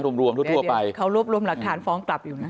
เดี๋ยวเขารวบรวมหลักฐานฟ้องกลับอยู่นะ